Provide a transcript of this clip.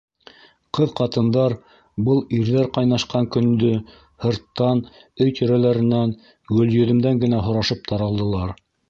Ҡыҙ-ҡатындар был ирҙәр ҡайнашҡан көндө һырттан, өй тирәләренән, Гөлйөҙөмдән генә һорашып таралдылар.